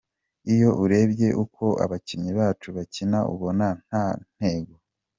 Iyo urebye uko abakinnyi bacu bakina ubona nta ntego.